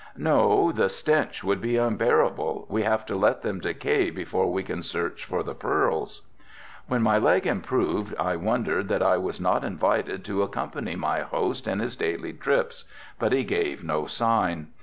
"No, the stench would be unbearable, we have to let them decay before we can search for the pearls." When my leg improved I wondered that I was not invited to accompany my host in his daily trips, but he gave no sign.